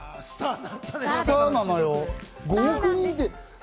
スターなのよ、５億人って。